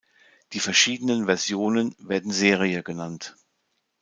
Die verschiedenen Versionen werden "Serie" genannt.